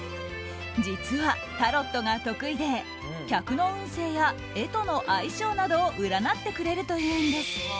実は、タロットが得意で客の運勢や絵との相性などを占ってくれるというんです。